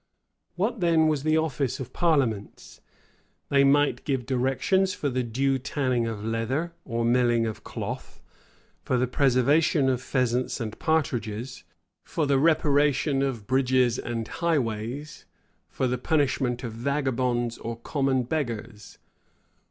What then was the office of parliaments? They might give directions for the due tanning of leather, or milling of cloth; for the preservation of pheasants and partridges; for the reparation of bridges and highways; for the punishment of vagabonds or common beggars.